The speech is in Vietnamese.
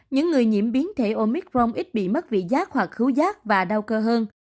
những người nhiễm biến thể omicron ít bị mất vị giác hoặc khứu rác và đau cơ hơn